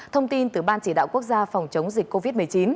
thông tin từ ban chỉ đạo quốc gia phòng chống dịch covid một mươi chín